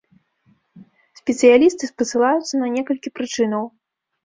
Спецыялісты спасылаюцца на некалькі прычынаў.